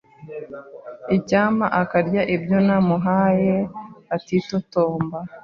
Icyampa akarya ibyo namuhaye atitotomba.